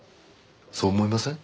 そう思いません？